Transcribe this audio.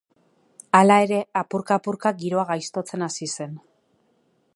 Hala ere, apurka-apurka giroa gaiztotzen hasi zen.